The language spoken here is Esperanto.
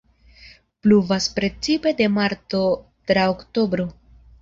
Pluvas precipe de marto tra oktobro.